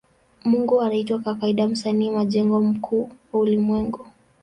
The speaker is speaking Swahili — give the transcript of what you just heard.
Mungu anaitwa kwa kawaida Msanii majengo mkuu wa ulimwengu.